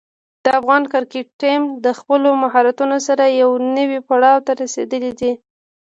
د افغان کرکټ ټیم د خپلو مهارتونو سره یوه نوې پړاو ته رسېدلی دی.